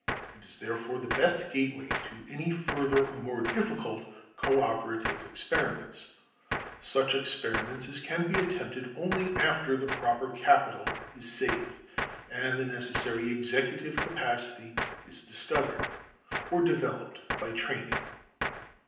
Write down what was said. It is, therefore, the best gateway to any further or more difficult co operative experiments—such experiments as can be attempted only after the proper capital is saved, and the necessary executive capacity is discovered, or developed by training.